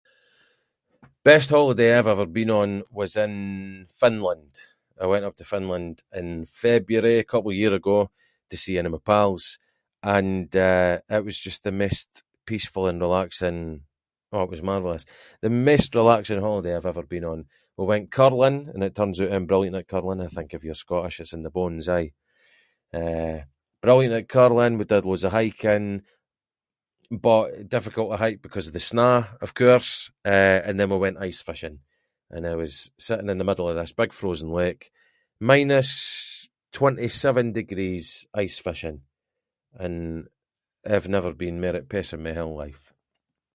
Best holiday I’ve ever been on was in Finland, I went up to Finland in February, a couple of year ago to see ain of my pals, and eh, it was just the maist peaceful and relaxing- oh it was marvellous. The maist relaxing holiday I’ve ever been on. We went curling, and it turns oot I’m brilliant at curling, I think if you’re Scottish it’s in the bones aye, eh, brilliant at curling, we did loads of hiking, but difficult to hike because of the sna’ of course, eh, and then we went ice fishing, and I was sitting in the middle of this big frozen lake, minus twenty-seven degrees, ice-fishing, and I’ve never been mair at peace in my whole life.